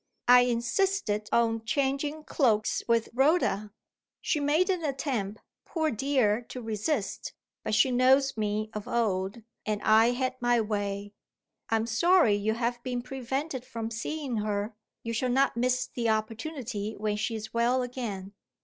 I insisted on changing cloaks with Rhoda. She made an attempt, poor dear, to resist; but she knows me of old and I had my way. I am sorry you have been prevented from seeing her; you shall not miss the opportunity when she is well again.